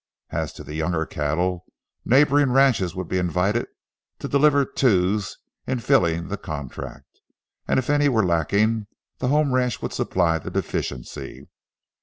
As to the younger cattle, neighboring ranches would be invited to deliver twos in filling the contract, and if any were lacking, the home ranch would supply the deficiency.